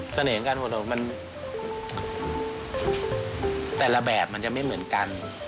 เสน่ห์ของหัวโคนมันแต่ละแบบมันจะไม่เหมือนกัน